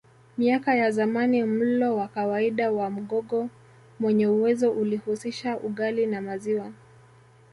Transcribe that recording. Miaka ya zamani mlo wa kawaida wa Mgogo mwenye uwezo ulihusisha ugali na maziwa